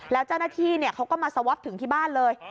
แล้วเจ้าหน้าที่เขาก็มาสวอปถึงที่บ้านเลย